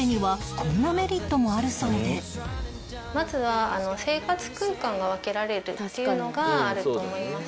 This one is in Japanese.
さらにまずは生活空間が分けられるっていうのがあると思います。